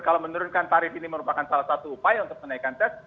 kalau menurunkan tarif ini merupakan salah satu upaya untuk menaikkan tes